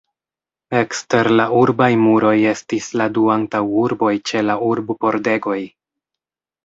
Ekster la urbaj muroj estis la du antaŭurboj ĉe la urb-pordegoj.